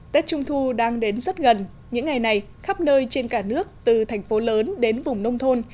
tết trung thu đang đến rất gần những ngày này khắp nơi trên cả nước từ thành phố lớn đến vùng nông thôn